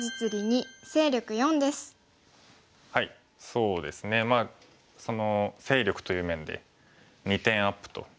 そうですねまあ勢力という面で２点アップと。